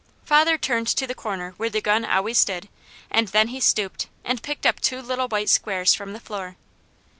Father turned to the corner where the gun always stood and then he stooped and picked up two little white squares from the floor.